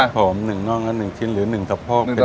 ครับผม๑น้องก็๑ชิ้นหรือ๑สะโพกเป็น๑ชิ้น